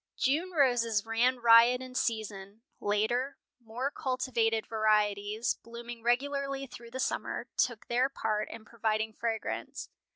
June roses ran riot in season. Later, more cultivated varieties, blooming regularly through the summer, took their part in providing fragrance.